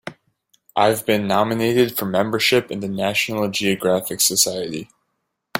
I've been nominated for membership in the National Geographic Society.